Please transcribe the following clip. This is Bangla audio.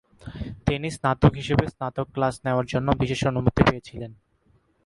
তিনি স্নাতক হিসাবে স্নাতক ক্লাস নেওয়ার জন্য বিশেষ অনুমতি পেয়েছিলেন।